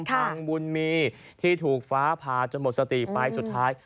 พังบุญมีที่ถูกฟ้าผ่าจนหมดสติไปสุดท้าย